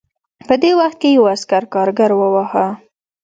په دې وخت کې یو عسکر کارګر وواهه